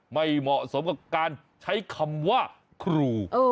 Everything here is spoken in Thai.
ไม่เหมาะสมกับการใช้คำว่าครู